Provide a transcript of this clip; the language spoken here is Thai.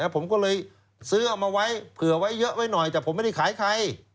ผมก็เลยซื้อเอามาไว้เผื่อไว้เยอะไว้หน่อยแต่ผมไม่ได้ขายใคร